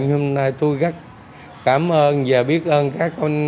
nhưng hôm nay tôi rất cảm ơn và biết ơn các con